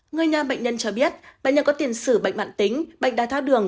người nhà bệnh nhân cho biết bệnh nhân có tiền xử bệnh mạng tính bệnh đai thác đường